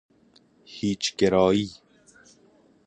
هیچ گرایی